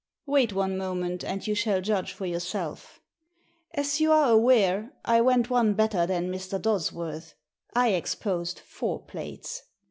" Wait one moment and you shall judge for your self. As you are aware, I went one better than Mr. Dodsworth — I exposed four plates.